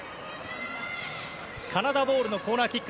カナダボールのコーナーキック。